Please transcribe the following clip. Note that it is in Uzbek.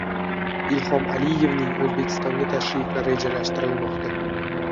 Ilhom Aliyevning O‘zbekistonga tashrifi rejalashtirilmoqda